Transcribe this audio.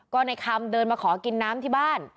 ก็ในคำเดินมาขอกินน้ำที่บ้าน